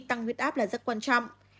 tăng huyết áp là rất quan trọng